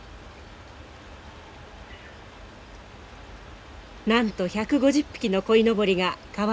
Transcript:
なんと１５０匹のこいのぼりが川を渡る。